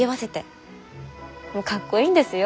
もうかっこいいんですよ。